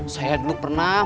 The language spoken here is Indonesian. saya dulu pernah